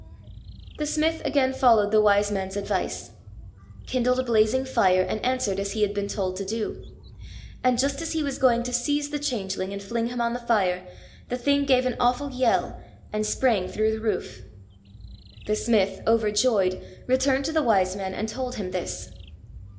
The smith again followed the Wise man's advice; kindled a blazing fire, and answered as he had been told to do. And, just as he was going to seize the Changeling and fling him on the fire, the thing gave an awful yell, and sprang through the roof. The smith, overjoyed, returned to the Wise man, and told this to him.